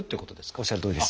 おっしゃるとおりです。